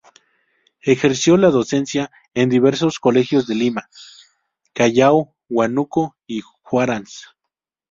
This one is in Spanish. Ejerció la docencia en diversos colegios de Lima, Callao, Huánuco y Huaraz.